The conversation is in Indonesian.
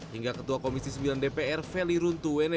hingga ketua komisi sembilan dpr feli runtuwene